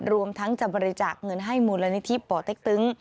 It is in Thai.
รวมทั้งจะบริจาคเงินให้มูลนิธิป่อเต็กตึง